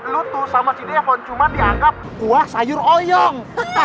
lo tuh sama si depon cuma dianggap kuah sayur oyong